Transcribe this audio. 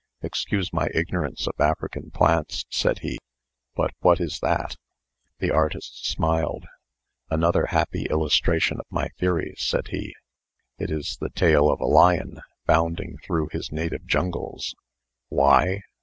"Excuse my ignorance of African plants," said he; "but what is that?" The artist smiled. "Another happy illustration of my theory," said he. "It is the tail of a lion bounding through his native jungles. Why?